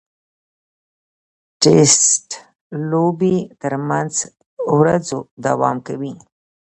ټېسټ لوبې تر پنځو ورځو دوام کوي.